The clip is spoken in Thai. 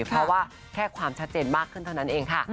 เพราะว่าแค่ความชัดเจนมากขึ้นเท่านั้นเองค่ะ